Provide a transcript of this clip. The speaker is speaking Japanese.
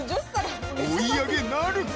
追い上げなるか？